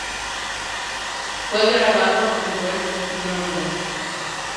Fue grabado en West London.